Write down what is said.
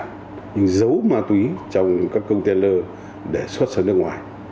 nhưng giấu ma túy trong các công ty lơ để xuất sân nước ngoài